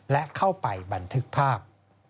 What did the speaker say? และเข้าไปบันทึกภาพ